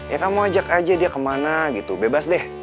ya kamu ajak aja dia kemana gitu bebas deh